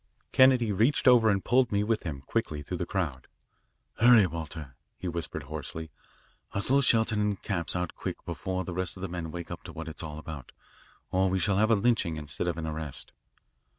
Kennedy reached over and pulled me with him quickly through the crowd. "Hurry, Walter," he whispered hoarsely, "hustle Shelton and Capps out quick before the rest of the men wake up to what it's all about, or we shall have a lynching instead of an arrest."